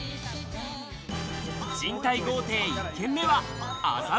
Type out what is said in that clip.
賃貸豪邸１軒目は麻布。